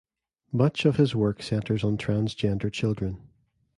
Much of his work centers on transgender children.